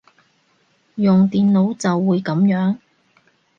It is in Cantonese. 用電腦就會噉樣